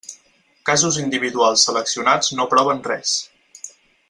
Casos individuals seleccionats no proven res.